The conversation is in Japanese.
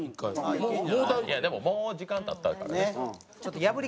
いやでももう時間経ったからね。